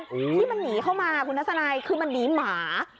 ที่มันหนีเข้ามาคุณทัศนัยคือมันหนีหมา